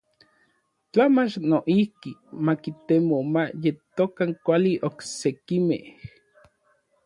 Tla mach noijki ma kitemo ma yetokan kuali oksekimej.